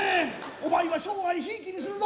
お前は生涯ひいきにするぞ！